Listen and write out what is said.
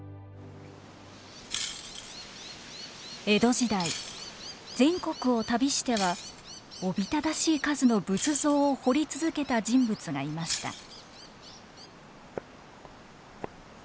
江戸時代全国を旅してはおびただしい数の仏像を彫り続けた人物がいました。